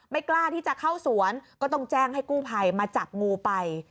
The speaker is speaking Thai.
กล้าที่จะเข้าสวนก็ต้องแจ้งให้กู้ภัยมาจับงูไป